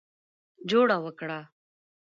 جوړه وکړه.